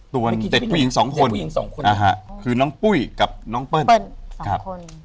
ตัวเด็กผู้หญิงสองคนคือน้องปุ้ยกับน้องเปิ้ล